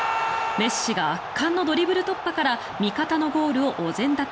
メッシが圧巻のドリブル突破から味方のゴールをお膳立て。